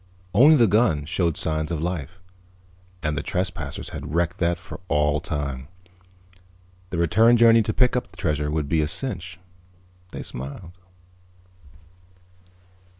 Only the gun showed signs of life ... and the trespassers had wrecked that for all time. The return journey to pick up the treasure would be a cinch ... they smiled.